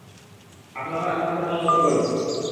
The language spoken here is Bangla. আপনারা আপনাদের মত করুন।